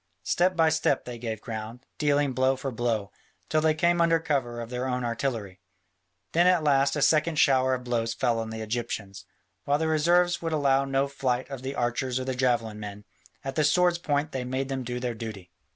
Step by step they gave ground, dealing blow for blow, till they came under cover of their own artillery. Then at last a second shower of blows fell on the Egyptians, while the reserves would allow no flight of the archers or the javelin men: at the sword's point they made them do their duty.